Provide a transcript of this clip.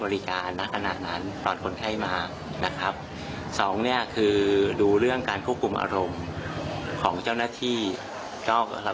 ว่าเหตุการณ์ที่เกิดขึ้นเนี่ย